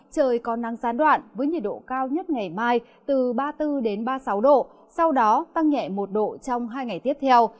trời còn nắng gián đoạn với nhiệt độ cao nhất ngày mai từ ba mươi bốn ba mươi sáu độ sau đó tăng nhẹ một độ trong hai ngày tiếp theo